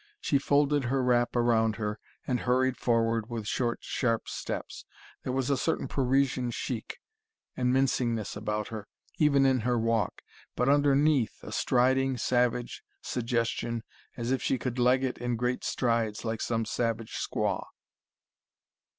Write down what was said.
She folded her wrap round her, and hurried forward with short, sharp steps. There was a certain Parisian chic and mincingness about her, even in her walk: but underneath, a striding, savage suggestion as if she could leg it in great strides, like some savage squaw.